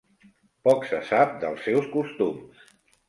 Poc se sap dels seus costums.